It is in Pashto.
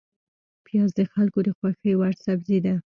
پیاز د خلکو د خوښې وړ سبزی ده